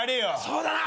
そうだな。